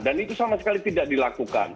dan itu sama sekali tidak dilakukan